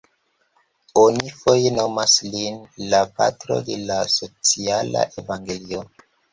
Oni foje nomas lin "la Patro de la Sociala Evangelio".